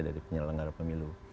dari penyelenggara pemilu